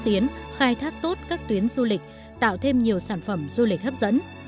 tiến khai thác tốt các tuyến du lịch tạo thêm nhiều sản phẩm du lịch hấp dẫn